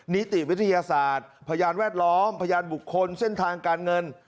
นิติวิทยาศาสตร์พยานแวดล้อมพยานบุคคลเส้นทางการเงิน